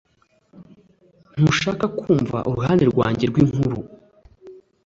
Ntushaka kumva uruhande rwanjye rw'inkuru?